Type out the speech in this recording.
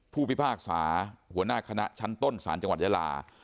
พิพากษาหัวหน้าคณะชั้นต้นศาลจังหวัดยาลา